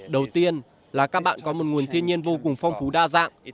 đầu tiên là các bạn có một nguồn thiên nhiên vô cùng phong phú đa dạng